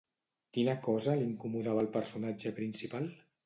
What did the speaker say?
Quina cosa l'incomodava al personatge principal?